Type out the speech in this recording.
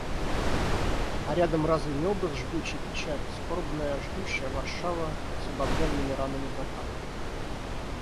А рядом разве не образ жгучей печали, скорбная, ждущая Варшава, с обагренными ранами заката?